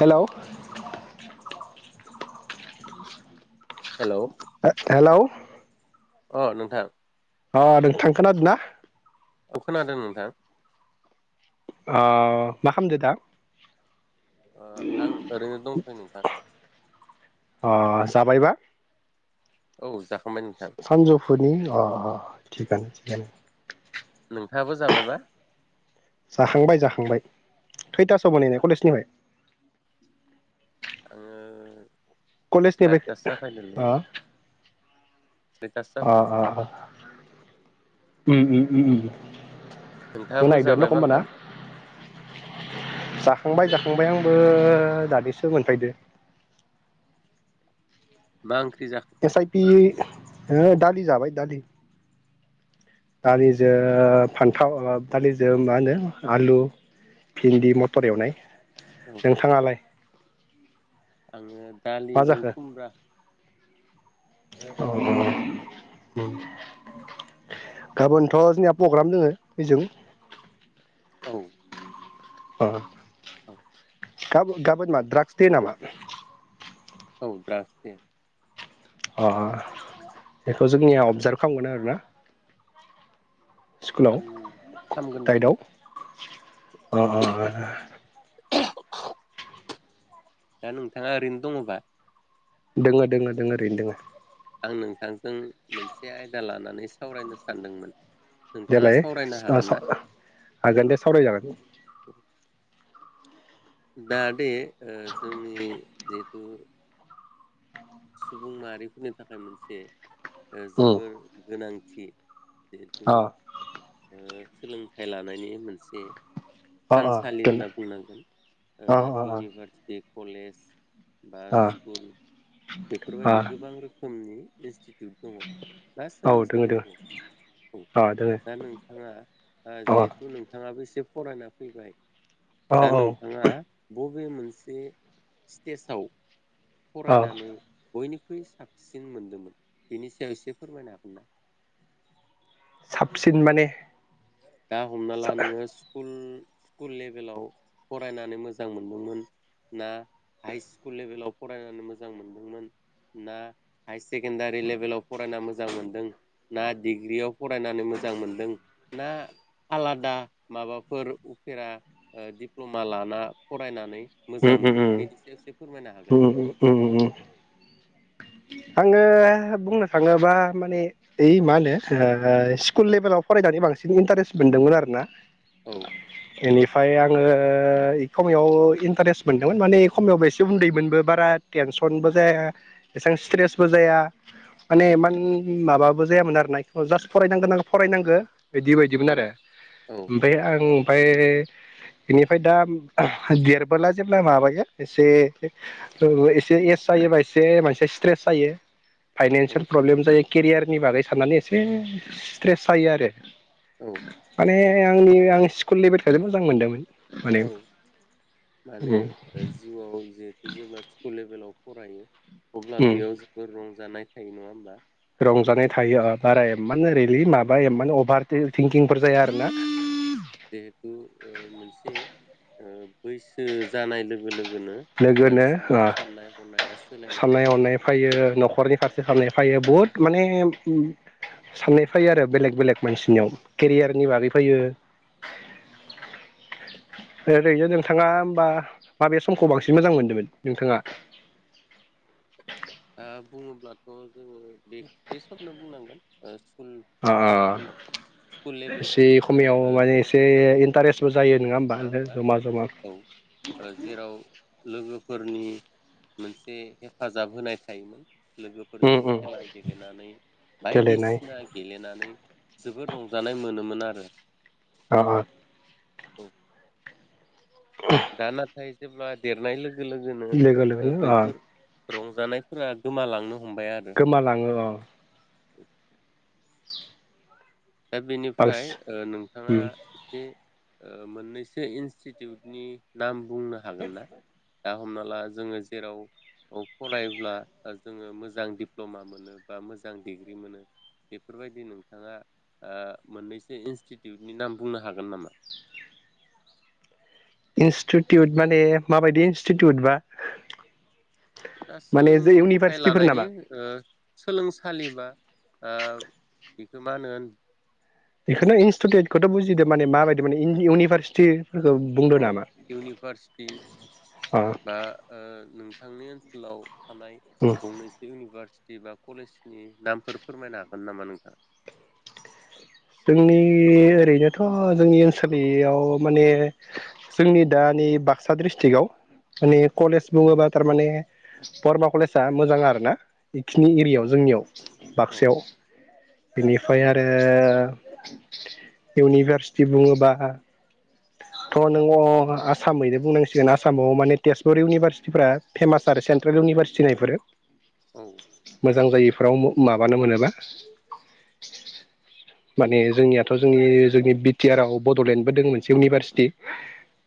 Hello. Hello hello. अ नोंथां। अ नोंथां खोनादों ना। औ खोनादों नोंथां। ओ मा खालामदो दा। ओ आं ओरैनो दंथयो नोंथां। अ जाबायबा औ जा सानजौफुनि अ। थिगानो थिगानो नोंथाङाबो जाबायबा। जाखांबाय जाखांबाय। खैथासोआव मोनहैनाय कलेजनिफ्राय। आङो कलेज सारिथासो निफ्राय जाफैदोंलै [unintelligible] सारिथासो अ जाफैदों अ उम उम। उम उम। नोंथाङाबो जाबायबा ओंखाम [unintelligible] थांबाय जाखांबाय आंबो दानिसो मोनफैदो। मा जाखो एस आइ पि। ओहो दालि जाबाय दालि दालिजों फान्थाव दालिजों मा होनो आलु भिन्दि मथर एवनाय। औ नोंथाङालाय। आङो मा दालिजों जाखो खुमब्रा। गाबोनथ' जोंनिया प्रग्राम दोङो होजों। औ। अ। औ। गाब गाबोन मा द्राग्स दे नामा। और द्राकस दे अ अ बेखौ जोंनिया अबजार्भ खालामगोन आरोना। स्कुलाव हाम हामगोन दाइटआव बायदि। अ अ अ ओ औ। दा नोंथाङा ओरैनो दङबा? दोङो दोङो दोङो ओरैनो दोङो। आं नोंथांजों मोनसे आयदा लानानै सावरायनो सानदोंमोन। नोंथाङा देलाय सावरायनो ओ हागोन ना साव हागोन दे सावराय जागोन। दा दे। ओ जोंनि जि सुबुं माहारिफोरनि थाखाय मोनसे ओ उम जोबोर गोनां थि। अ। सोलोंथाइ लानायनि मोनसे अ अ थानसालि दोन होनना बुंनांगोन ओ अ अ इउनिभारसिटिक कलेज अ बास फुल अ बेफोरबायदि गोबां रोखोम नि एसटिथ [unintelligible] बा औ दोङो दोङो सोलोंसालिफोरखौ औ अ दोङो दा नोंथाङा आ अ जिहेथु नोंथाङाबो एसे फरायना फैबाय औ दा औ नोंथाङा ब बै मोनसे स्टेजाव औ फरायनानै बयनिख्रुइ साबसिन मोनदोंमोन बेनि सायाव एसे फोरमायनो हागोनना? साबसिन माने? दा हमना ला नोङो स्कुल स्कुल लेभेलाव फरायनानै मोजां मोनदोंमोन, ना हाइ स्कुल लेभेलाव फरायनानै मोजां मोनदोंमोन, ना हाय सेकेणडारि लेभेलाव फरायना मोजां मोनदों, ना डिग्रियाव फरायनानै मोजां मोनदों ना आलादा माबाफोर उफेरा दिप्ल'मा लाना फरायनानै मोजां उम उम मोनदों उम बेनि सायाव एसे फोरमायनो हागोन ना? उम उम उम आङो बुंनो थाङोबा माने ओइ मा होनो ओ स्कुल लेभेलाव फरायनानै बांसिन इन्टारेस्ट मोनदोंमोन आरोना। औ। एनिफ्राय आङो एखमयाव इन्टारेस्ट मोनदोंमोन माने एखमियाव एसे उन्दैमोनबो बारा टेनसनबो जाया। एसेबां स्ट्रेसबो जाया मानेन माबाबो जायामोन आरोना जास्ट फरायनांगोन न फरायनांगौ एदि बायदिमोन औ आरो औ ओमफ्राय आं फाय बेनिफ्राय दा देरबोला जेब्ला माबायो एसे एसे एस जायोबा एसे मानसि स्ट्रेस जायो औ फाइनानसियेल प्रब्लेम जायो केरियारनि बागै साननानै एसे स्ट्रेस जायो आरो औ माने आंनि आं स्कुल लेभेलखोनो मोजां मोनदोंमोन। माने औ माने उम जिउआव जिहेतु जेब्ला स्कुल लेभेलाव फरायो अब्ला उम बेयाव जोबोर रंजानाय थायो नङा होमबा रंजानाय थायो ओ बारा एमान ओरैलि माबा एमान अभार थिं-थिंकिंफोर जाया आरोना जिहेथु ओ मोनसे ओ बैसो जानाय लोगो लो गोनो लोगोनो ओ मानसिनियाव साननाय हनाया साननाय सोलायलाङो। हनाय फैयो न'खरनि फारसे खालामनाय फैयो बुहुत माने साननाय फैयो आरो बेलेग बेलेग मानसिनियाव केरियारनि बागै फैयो ओरैनो नोंथाङा होमबा माबेस समखौ बांसिन मोजां मोन्दोंमोन नोंथाङा? ओ बुङोब्लाथ' जोङो बे बे सोरनो बुंनांगोन ओ स्कुल अ स्कुल स्कुल एसे लेभेलखौ खमियाव ओ माने जोबोर एसे मोजां मोनबोदोंमोन इन्टारेस्टबो जायो नङा होमबा नोथां जमा जमा औ ओ जेराव लोगोफोरनि मोनसे हेफाजाब होनाय थायोमोन उम लोगोफोरजों उम खेला गेलेनानै गेलेनाय बायदिसिना गेलेनानै जोबोद रंजानाय मोनोमोन आरो। [unintelligible] अ औ दा नाथाय जेब्ला देरनाय लो गो लोगोनो लोगो ओ लोगोनो अ बैफोर रंजानायफोरा गोमालांनो हमबाय आरो गोमालाङो अ दा बेनिफ्राय बांसिन ओ नोंथाङा उम एसे ओ मोननैसो इनस्टिटिउटनि नाम बुंनो हागोन ना? दा हमना ला जोङो जेराव फरायब्ला जोङो मोजां दिप्ल'मा मोनो बा मोजां डिग्रि मोनो बेफोरबायदि नोंथाङा ओ मोननैसो इन्स्टिटिउटनि नाम बुंनो हागोन नामा? इन्स्टिटिउट माने माबायदि इनस्टिटिउट बा दा माने जे सोलोंथाइ इउनिभारसिटिफोर लानायनि नामा ओ सोलोंसालिबा ओ बेखौ मा होनो बेखोनो इनस्टुदेटखौथ' बुजिदो माने माबायदि माने इन इउनिभारसिटि अ इउनिभारसिटि अ बा ओ नों थांनाय ओनसोलाव थानाय उम गंनैसो इउनिभारस दिबा कलेजनि नामफोर फोरमायनो हागोन नामा नोंथां? जोंनि ओरैनोथ' जोंनि ओनसोबियाव माने जोंनि दानि बाक्सा डिस्ट्रिकआव माने कलेज बुङोब्ला थारमाने बर्मा कलेजआ मोजां आरो ना। बेखिनि औ एरियायाव जोंनियाव औ बाक्सायाव। बेनिफ्राय आरो इउनिभारसिटि बुङोबा थ' नों अ' आसामैनो बुंनांसिगोन आसामाव माने तेजपुर इउनिभारसिटिफ्रा फेमास आरो सेन्ट्रेल इउनिभारसिटिना इफोरो औ मोजां जायैफोराव माबानो मोनोबा। माने जोंनियाथ' जोंनि जोंनि बि टि आर आव बड'लेण्डबो दोंमोन। सिउनिभारसिटि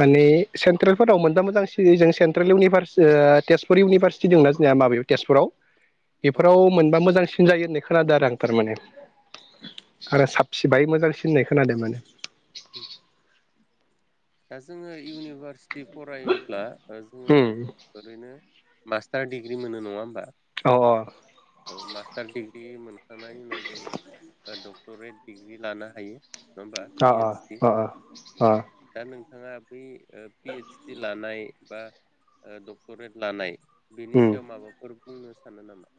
माने सेन्ट्रेलफोराव मोनबा मोजांसिन जों सेन्ट्रेल इउनिभारसि तेजपुर इउनिभारसिटि दोंना जोंनिया माबायाव तेजपुराव। औ बेफोराव मोनबा मोजांसि सिन जायो होननाय खोनादों आरो आं थारमाने। आरो साबसि बाहै मोजांसिन होननाय खोनादों माने। उम दा जोङो इउनिभारस टि फरायोब्ला ओ जोङो उम ओरैनो मास्टार दिडिग्रि मोनो नङा होमबा? अ' अ' औ मास्टार डिग्रि मोनखांनायनि उनाव जोङो ओ डक्टरेट डिग्रि लानो हायो। होमबा पि अ' ओइस अ' अ' अ' अ' नोंङा बै ओ पि एस डि लानाय बा ओ डक्टरेट लानाय बिनि उम सायाव माबाफोर बुंनो सानो नामा?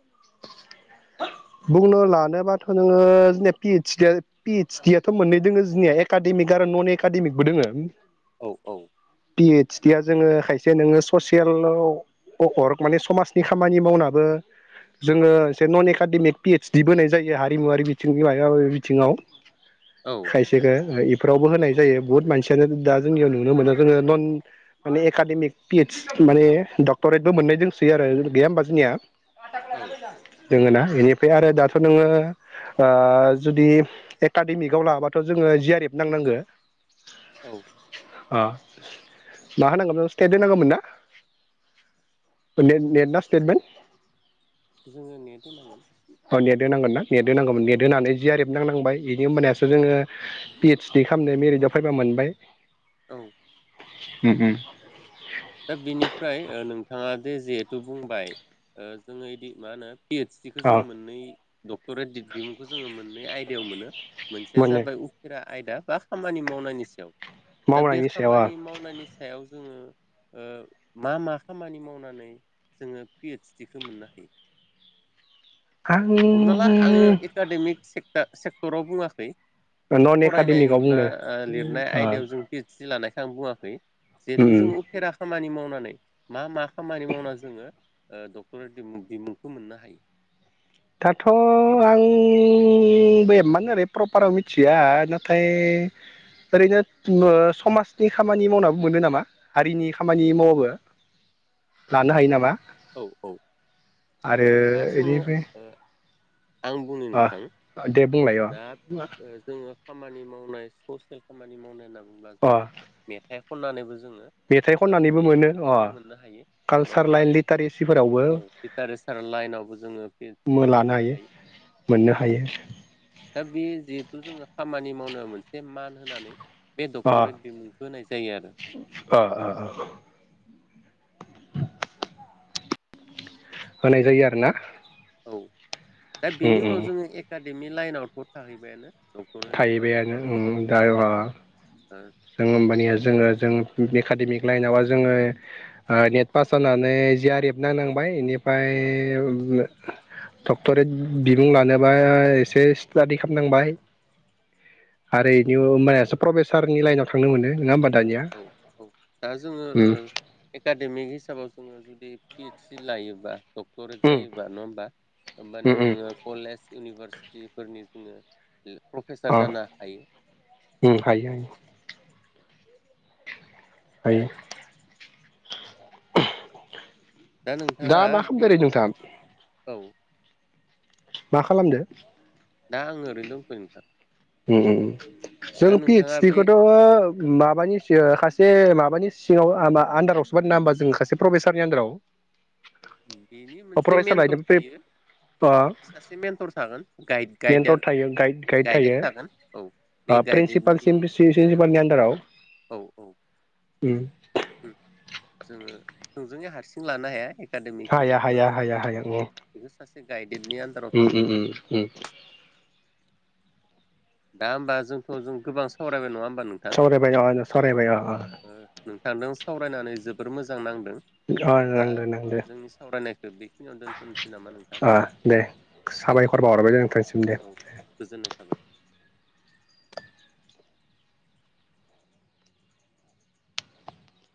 बुंनो लानोबाथ' नोङो जोंनिया पि इस डिया पि इस डियाथ' मोननै दोङो जोंनिया एकादेमिक आरो न'न एकादेमिकबो दोङो। औ औ पि इस डिया जोङो खायसे नोङो स'सियेलाव अकरक माने समाजनि खामानि मावनाबो जोङो से न'न एकाडेमिक पि एस डि बोनाय जायो। हारिमुवारि बिथिंनि मायबा मायबि बिथिङाव। औ खायसेखो ओ इफोरावबो होनाय जायो। बहुत मानसियानो दा जोंनियाव नुनो मोनो जोङो न'न माने एकाडेमिक पि एस माने डक्ट'रेटबो मोननाय दोंसोयो आरो गैया होमबा जोंनिया? औ [unintelligible] दोङोना एनिफ्राय आरो दाथ' नोङो ओ ओ जुदि एकाडेमिकआव लाबाथ' जोङो जि आर एफ नांनांगो। औ आ मा होनांगौ बेयाव स्टेट होनांगौमोन ना? नेट नेट ना सिटेटमेन्ट? जोङो नेट होनांगोन ओ नेद होनांगोनना नेट होनांगौमोन नेट दोनानै जियारेब नांनांबाय। बिनि होनबानियासो औ जोङो पि एडच डि खामनो मेरिटआव फैबा मोनबाय औ उम उम। दा बिनिफ्राय नोंथाङा जे जिहेथु बुंबाय जोङो यिदि मा होनो? पि एडच डि खौ अ जों मोननै डक्टरेट दिडिग्रिखौ जोङो मोनैइ आय बेयाव मोनो मोनसेया मोनो जाबाय उफेरा आयदा बा खामानि मावनायनि सायाव दा बे मावनायनि सायाव खामानि मावनायनि सायाव जोङो ओ मा मा खामानि मावनानै जोङो पिएडसडिखौ मोननो हायो? हमनाला आङो आं एकाडेमिक से दा सेक्टराव बुङा खै नन एकाडेमिकआव फरायनाय बा बुंदों लिरनाय आयदायाव जों पि एडस डि लानाय आं बुङाखै उम जिहेथु जों उफेरा खामानि मावनो नानै मा मा खामानि मावनानै जोङो डक्ट'रेट दिमुंखौ मोननो हायो? दाथ' आं बेमान ओरै प्रपाराव मिथिया नाथाय ओरैनो ओ समाजनि खामानि मावनाबो मोनो नामा हारिनि खामानि मावनाबो लानो हायो नामा? औ औ आरो दा जोङो इनिफ्राय ओ आं बुंनो नोंथां दे बुंलाय अ दा ओ जोङो खामानि मावनाय ससेल खामानि मावनाय ना बा अ जोङो मेत ए खननानैबो जो मेथाइ खननानैबो मोनो अ मोननो हायो नङा कालसार होमबा लाइन लिटारेसिफोरावबो औ लिटारेसार लाइनावबो जोङो पिएडसडिखौ मोननो हायो औ मोननो हायो दा बे जि बेखौ जोङो खामानि मावनो मोनसे मान होनानै बे अ डक्टरेट बिमुंखौ होनाय जायो आरो अ अ अ होनाय जायो आरोना। औ। दा उम बेनि उम उनाव जोङो एकाड एमि लाइन आवथ' थाहैबायानो थाहैबायानो उम दा अ न'खरै [unintelligible] जों होनबानिया जोङो जों [unintelligible] एकादेमिक लाइनवा जोङो ओ नेट पास जानानै जिया रेब नांनांबाय इनि फाय औ डक्टरेट बिबुं लानोबा एसे स्टाडि खामनांबाय आरो इनि [unintelligible] प्रफेसारनि लाइनाव थांनो मोनो नङा होमबा दानिया औ - औ दा जोङो उम एकाडेमिक हिसाबाव जोङो जुदि पिएडससि लायोबा डक्ट'रेट उम जायोबा नङा होमबा उम होमबाना उम जोङो कलेज इउनिभार [unintelligible] फोरनि जोङो प्रफेसार अ जानो हायो ओम हायो - हायो हायो दा नोंथाङा मा खालामदो बे ओरै नोंथाङा औ मा खालामदो दा आंङो ओरैनो दंथ'यो नोंथां उम - उम दा जों नोंथाङा पिइसड बे खौथ' माबानि सि सासे माबानि सिङाव आन्दारावसोबानो नाङा होनबा जोङो ससे प्रभेसारनि आन्दाराव बेनि मोनसे प्रफेसार मेन्टर लायनो थायो सासे मेन्टर थागोन गाइड मेन टड गाइडार थायो ग गाइड गाइडेड थायो थागोन औ बे गाइडेडनि प्रिन्सिपालसिम ओ प्रिनसिपालनि आन्दाराव औ औ उम जोङो नोंजोंनो हारसिं लानो हाया एकाडेमिक हाया- हाया- हाया ओम गाइद उम- उम-उम -उम दा होमबा जोंथ' जों गोबां सावरायबाय नङा होमबा नोंथां सावरायबाय अ - अ सावरायबाय ओ नोंथांजों सावरायनानै जोबोर मोजां नां अ अ दा नांदो नांदो जोंनि सावरायनायखौ बेखिनियाव दोनथ'नोसै नामा नोंथां अ दे औ दे साबायखर बावहरबाय नोंथांसिम दे औ गोजोननाय थाबाय